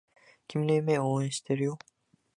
君の夢を応援しているよ